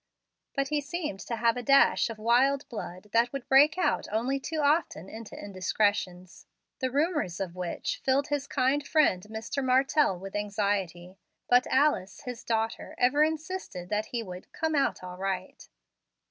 But he seemed to have a dash of wild blood that would break out only too often into indiscretions, the rumors of which filled his kind friend Mr. Martell with anxiety. But Alice, his daughter ever insisted that he would "come out all right."